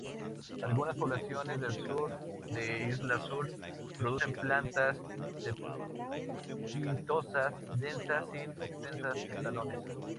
Algunas poblaciones del sur de Isla Sur producen plantas cespitosas densas sin extensas estolones.